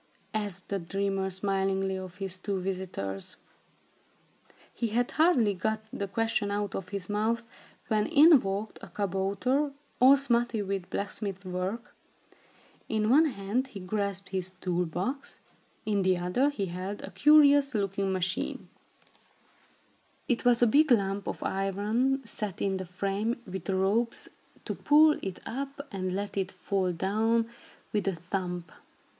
asked the dreamer, smilingly, of his two visitors. [Illustration: The kabouter took the wood and shaped it on the inside.] He had hardly got the question out of his mouth, when in walked a kabouter, all smutty with blacksmith work. In one hand, he grasped his tool box. In the other, he held a curious looking machine. It was a big lump of iron, set in a frame, with ropes to pull it up and let it fall down with a thump.